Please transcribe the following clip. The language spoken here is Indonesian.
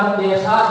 dan saksi gr saat itu